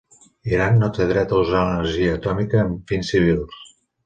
Iran no té dret a usar l'energia atòmica amb fins civils.